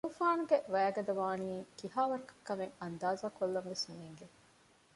ތޫފާނުގެ ވައިގަދަވާނީ ކިހާވަރަކަށް ކަމެއް އަންދާޒާކޮށްލަންވެސް ނޭނގެ